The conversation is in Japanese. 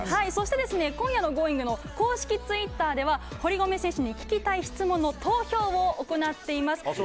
そして今夜の「Ｇｏｉｎｇ！」の公式ツイッターでは堀米選手に聞きたい質問の投票を行っています。